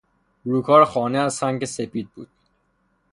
روکار خانه از سنگ سپید بود.